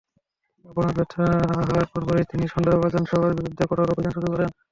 অভ্যুত্থানচেষ্টা ব্যর্থ হওয়ার পরপরই তিনি সন্দেহভাজন সবার বিরুদ্ধে কঠোর অভিযান শুরু করেন।